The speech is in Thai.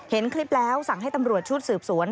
เห็นคลิปแล้วสั่งให้ตำรวจชุดสืบสวน